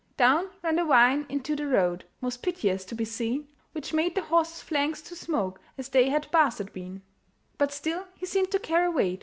Down ran the wine into the road, Most piteous to be seen, Which made the horse's flanks to smoke, As they had basted been. But still he seemed to carry weight.